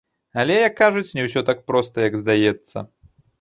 Але, як кажуць, не ўсё так проста, як здаецца.